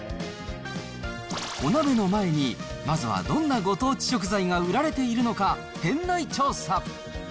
お鍋の前に、まずはどんなご当地食材が売られているのか、店内調査。